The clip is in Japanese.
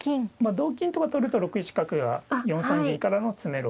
同金とか取ると６一角が４三銀からの詰めろ。